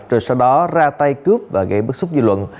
rồi sau đó ra tay cướp và gây bức xúc dư luận